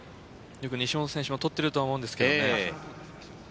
よく西本選手も取ってると思うんですけどね。